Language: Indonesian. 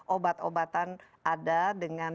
obat obatan ada dengan